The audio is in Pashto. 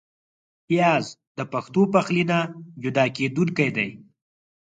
پیاز د پښتو پخلي نه جدا کېدونکی دی